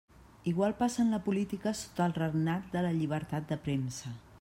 Igual passa en la política sota el regnat de la llibertat de premsa.